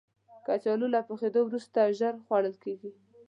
کچالو له پخېدو وروسته ژر خوړل کېږي